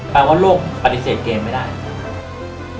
ว่าโลกปฏิเสธเกมไม่ได้